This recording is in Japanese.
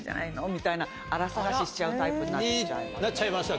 みたいな、粗探ししちゃうタイプになっちゃいました。